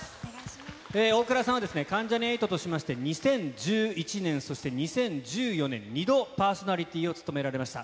大倉さんは関ジャニ∞としまして、２０１１年、そして２０１４年、２度、パーソナリティーを務められました。